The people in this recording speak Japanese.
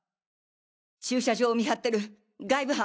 駐車場を見張ってる外部班！